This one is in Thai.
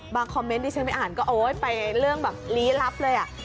คอมเมนต์ที่ฉันไปอ่านก็โอ๊ยไปเรื่องแบบลี้ลับเลย